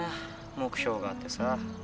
目標があってさ。